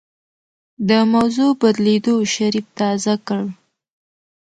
د موضوع بدلېدو شريف تازه کړ.